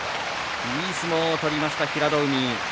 いい相撲を取りました平戸海。